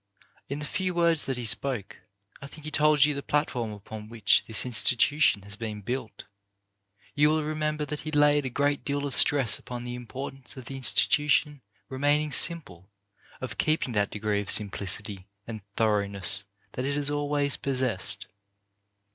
In the few words that he spoke, I think he told you the platform upon which this institution has been built. You will remember that he laid a great deal of stress upon the importance of the institution remaining simple, of keeping that degree of simplicity and thoroughness that it has always possessed.